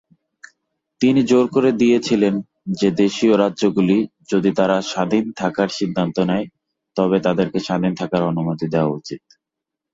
তিনি জোর দিয়েছিলেন যে দেশীয় রাজ্যগুলি যদি তারা স্বাধীন থাকার সিদ্ধান্ত নেয় তবে তাদেরকে স্বাধীন থাকার অনুমতি দেওয়া উচিত।